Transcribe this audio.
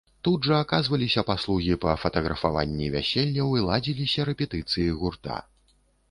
Тут жа аказваліся паслугі па фатаграфаванні вяселляў і ладзіліся рэпетыцыі гурта.